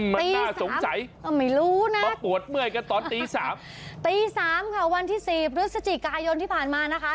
มันหน้าสงสัยมาปวดเมื่อยกันตอนปี๓เนี่ยปี๓ค่ะวันที่๔พฤศจิกายนที่ผ่านมานะคะ